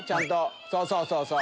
そうそうそうそう！